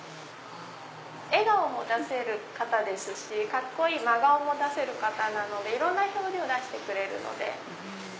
笑顔も出せる方ですしカッコいい真顔も出せるのでいろんな表情出してくれるので。